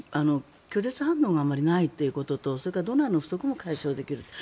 拒絶反応があまりないということとそれからドナーの不足も解消できる。